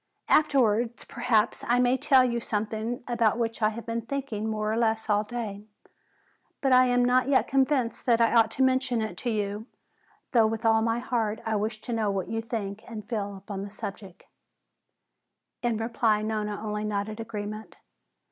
"Afterwards perhaps I may tell you something about which I have been thinking more or less all day. But I am not yet convinced that I ought to mention it to you, though with all my heart I wish to know what you think and feel upon the subject." In reply Nona only nodded agreement.